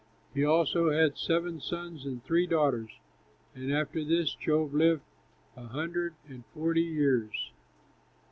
He also had seven sons and three daughters. And after this Job lived an hundred and forty years.